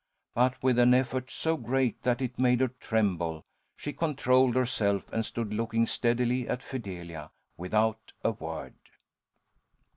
But with an effort so great that it made her tremble, she controlled herself, and stood looking steadily at Fidelia without a word.